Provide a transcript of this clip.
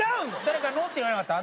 誰か「の」って言わなかった？